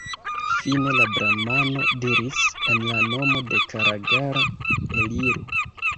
Fine la bramano diris: « En la nomo de Karagara, eliru!